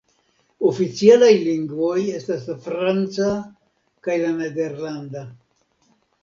Oficialaj lingvoj estas la franca kaj la nederlanda.